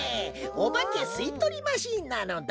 おばけすいとりマシーンなのだ！